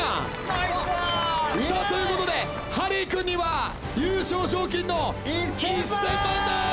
ナイスワン！ということでハリー君には優勝賞金の１，０００万です！